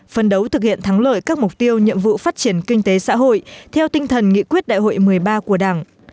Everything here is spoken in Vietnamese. phân đấu thực hiện thắng lợi các mục tiêu nhiệm vụ phát triển kinh tế xã hội theo tinh thần nghị quyết đại hội một mươi ba của đảng